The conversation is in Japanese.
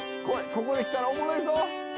ここで来たらおもろいぞ。